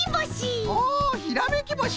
ひらめきぼし！